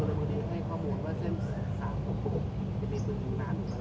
หมอบรรยาหมอบรรยา